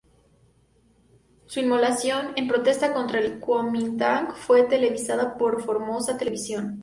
Su inmolación en protesta contra el Kuomintang fue televisada por Formosa Televisión.